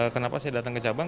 kenapa saya datang ke cabang